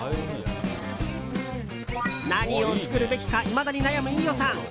何を作るべきかいまだに悩む飯尾さん。